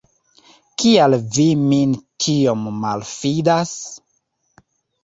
Kial vi min tiom malﬁdas?